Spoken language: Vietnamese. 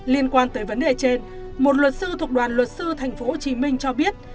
liên quan tới vấn đề trên một luật sư thuộc đoàn luật sư tp hcm cho biết